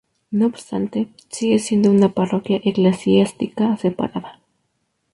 No obstante, sigue siendo una parroquia eclesiástica separada.